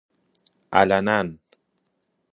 علناً